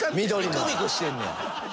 ビクビクしてんねや。